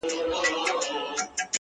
خو يادونه پاته وي